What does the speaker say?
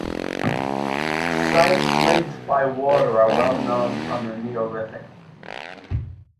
Sites linked by water are well known from the Neolithic.